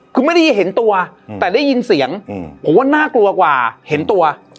คือไม่ได้เห็นตัวแต่ได้ยินเสียงผมว่าน่ากลัวกว่าเห็นตัว